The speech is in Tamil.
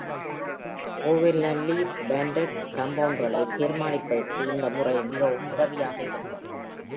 கோவேலண்ட்லி பாண்டட் காம்பவுண்டுகளை தீர்மானிப்பதற்கு இந்த முறை மிகவும் உதவியாக இருக்கும்.